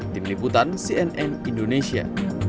tim liputan cnn indonesia